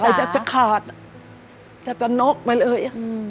จ่ายจับจากขาดจับจากนอกไปเลย